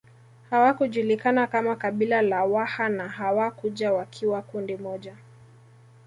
Hawakujulikana kama kabila la Waha na hawakuja wakiwa kundi moja